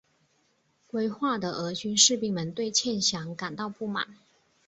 归化的俄军士兵们对欠饷感到不满。